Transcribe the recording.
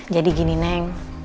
jadi gini neng